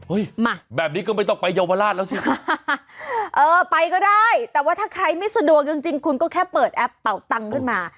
มาแบบนี้ก็ไม่ต้องไปเยาวราชแล้วสิคะเออไปก็ได้แต่ว่าถ้าใครไม่สะดวกจริงจริงคุณก็แค่เปิดแอปเป่าตังค์ขึ้นมา